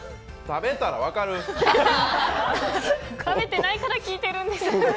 食べてないから聞いてるんです！